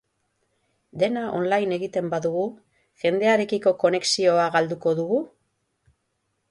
Dena online egiten badugu, jendearekiko konexioa galduko dugu?